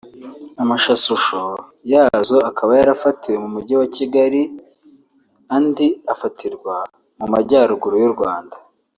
amshsusho yazo akaba yarafatiwe mu mugi wa Kigali andi abfatirwa mu majyaruguru y’u Rwanda